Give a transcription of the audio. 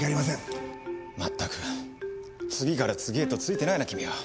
まったく次から次へとツイてないな君は。